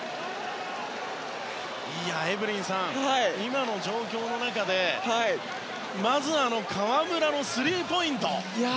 エブリンさん、今の状況の中でまず河村のスリーポイント。